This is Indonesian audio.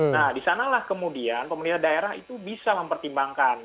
nah disanalah kemudian pemerintah daerah itu bisa mempertimbangkan